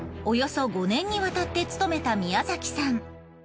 およそ５年にわたって務めた宮崎さん。